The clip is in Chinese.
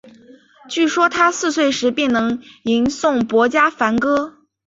据说他四岁时便能吟诵薄伽梵歌。